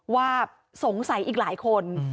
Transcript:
ว่าสงสัยอีกหลายคน